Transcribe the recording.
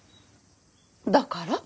だから？